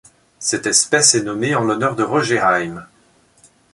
Cette espèce est nommée en l'honneur de Roger Heim.